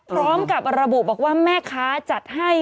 พร้อมกับระบุบอกว่าแม่ค้าจัดให้